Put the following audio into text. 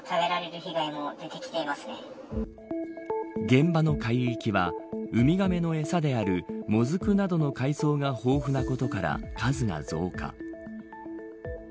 現場の海域はウミガメの餌であるモズクなどの海藻が豊富なことから数が増加。